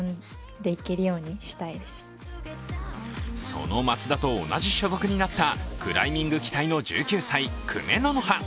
その松田と同じ所属になったクライミング、期待の１９歳、久米乃ノ華